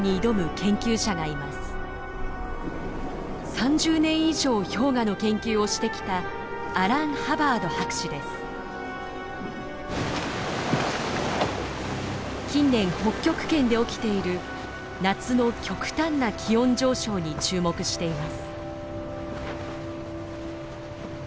３０年以上氷河の研究をしてきた近年北極圏で起きている夏の極端な気温上昇に注目しています。